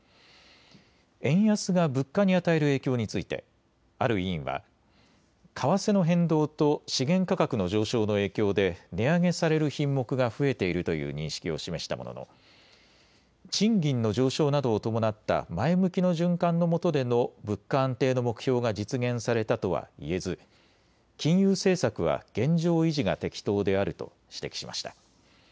円安が物価に与える影響についてある委員は為替の変動と資源価格の上昇の影響で値上げされる品目が増えているという認識を示したものの賃金の上昇などを伴った前向きの循環のもとでの物価安定の目標が実現されたとはいえず金融政策は現状維持が適当であると指摘しました。